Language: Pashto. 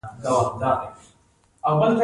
چوره ولسوالۍ غرنۍ ده؟